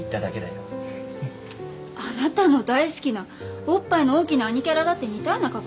あなたの大好きなおっぱいの大きなアニキャラだって似たような格好してるじゃない。